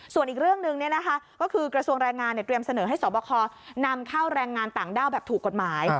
ส่วนอีกเรื่องหนึ่งก็คือกระทรวงแรงงานเตรียมเสนอให้สอบคอนำเข้าแรงงานต่างด้าวแบบถูกกฎหมาย